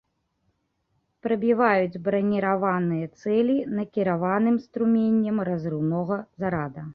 Прабіваюць браніраваныя цэлі накіраваным струменем разрыўнога зарада.